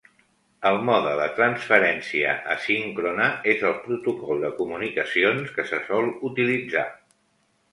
El mode de transferència asíncrona és el protocol de comunicacions que se sol utilitzar.